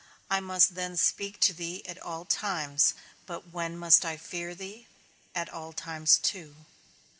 I must then speak to thee at all times, but when must I fear thee? At all times too.